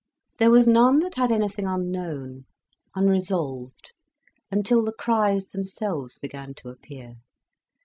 There was none that had anything unknown, unresolved, until the Criches themselves began to appear.